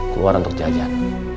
keluar untuk jajan